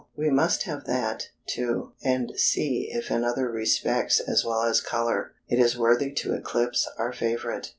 we must have that, too, and see if in other respects as well as color, it is worthy to eclipse our favorite.